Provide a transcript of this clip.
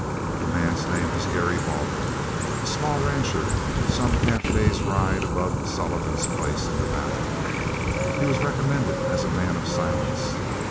The man's name was Garry Baldwin, a small rancher, some half day's ride above Sullivan's place in the valley. He was recommended as a man of silence.